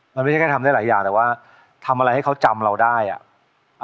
มันไม่ใช่แค่ทำได้หลายอย่างแต่ว่าทำอะไรให้เขาจำเราได้อ่ะ